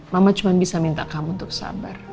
mama cuma bisa minta kamu untuk sabar